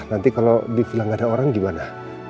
nanti kalau di villa gak ada orang gimana